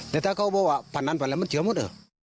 แต่ถ้าเขาบอกว่าผ่านนั้นผ่านแหละมันเจือหมดอ่ะ